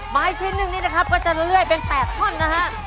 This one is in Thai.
อีกชิ้นหนึ่งนี้นะครับก็จะเลื่อยเป็น๘ท่อนนะฮะ